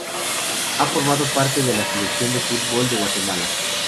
Ha formado parte de la Selección de fútbol de Guatemala.